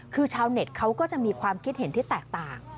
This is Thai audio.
คือชาวเน็ตเขาก็จะมีความคิดเห็นที่แตกต่าง